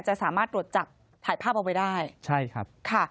จะสามารถตรวจจับถ่ายภาพเอาไว้ได้ใช่ครับค่ะ